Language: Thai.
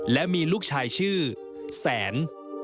และมีลูกชายชื่อแสน